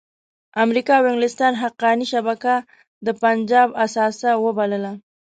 امریکا او انګلستان حقاني شبکه د پنجاب اثاثه وبلله.